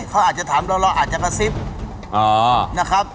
เขาอาจจะถามเราเราอาจจะกระซิบนะครับ